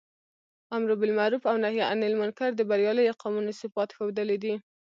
امر باالمعروف او نهي عنالمنکر د برياليو قومونو صفات ښودلي دي.